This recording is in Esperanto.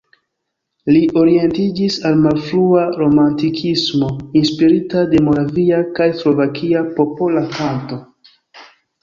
Li orientiĝis al malfrua romantikismo, inspirita de moravia kaj slovakia popola kanto.